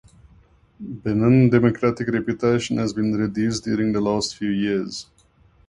Benin democratic reputation has been reduced during the last few years.